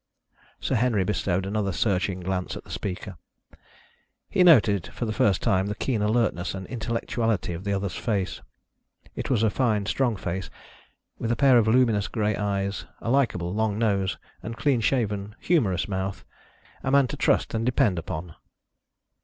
Sir Henry bestowed another searching glance on the speaker. He noted, for the first time, the keen alertness and intellectuality of the other's face. It was a fine strong face, with a pair of luminous grey eyes, a likeable long nose, and clean shaven, humorous mouth a man to trust and depend upon.